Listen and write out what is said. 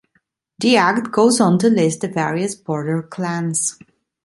The act goes on to list the various Border clans.